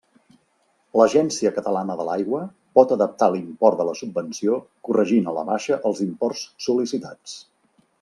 L'Agència Catalana de l'Aigua pot adaptar l'import de la subvenció corregint a la baixa els imports sol·licitats.